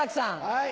はい。